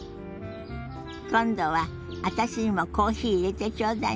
今度は私にもコーヒーいれてちょうだいね。